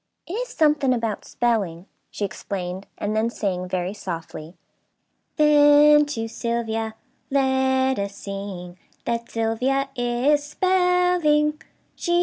"It is something about 'spelling,'" she explained, and then sang, very softly: "'Then to Sylvia let us sing, That Sylvia is spelling.